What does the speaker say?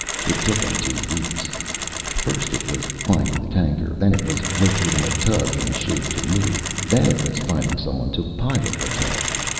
It took him two weeks. First it was finding the tanker, then it was locating a tug in shape to move, then it was finding someone to pilot the tug.